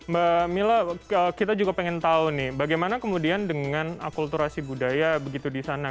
mbak mila kita juga pengen tahu nih bagaimana kemudian dengan akulturasi budaya begitu di sana